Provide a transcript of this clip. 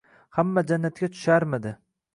Hamma jannatga tusharmidi.